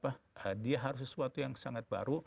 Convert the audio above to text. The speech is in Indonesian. kalau kita bisa lihat sesuatu yang sangat baru